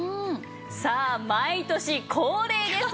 さあ毎年恒例です。